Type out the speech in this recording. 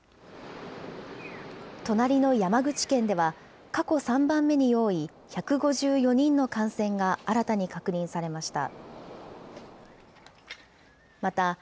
隣の山口県では、過去３番目に多い１５４人の感染が新たに確認されました。